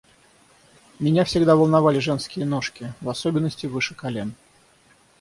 Меня всегда волновали женские ножки, в особенности выше колен.